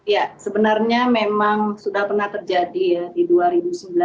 ya sebenarnya memang sudah pernah terjadi ya di dua ribu sembilan belas dua ribu dua puluh